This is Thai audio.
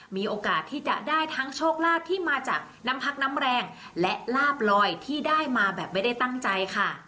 มีโอกาสที่จะได้ทั้งโชคลาภที่มาจากน้ำพักน้ำแรงและลาบลอยที่ได้มาแบบไม่ได้ตั้งใจค่ะ